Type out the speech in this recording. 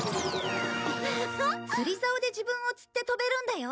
釣りざおで自分を釣って飛べるんだよ。